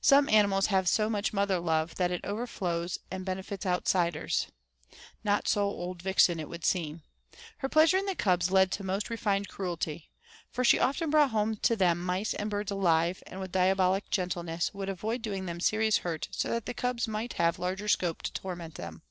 Some animals have so much mother love that it overflows and benefits outsiders. Not so old Vixen it would seem. Her pleasure in the cubs led to most refined cruelty. For she often brought home to them mice and birds alive, and with diabolic gentleness would avoid doing them serious hurt so that the cubs might have larger scope to torment them.